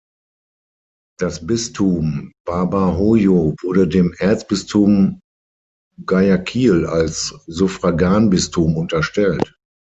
Das Bistum Babahoyo wurde dem Erzbistum Guayaquil als Suffraganbistum unterstellt.